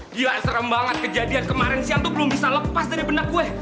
gila serem banget kejadian kemaren siantuk belum bisa lepas dari benak gue